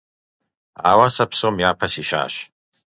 Ауэ сэ псом япэ сищащ.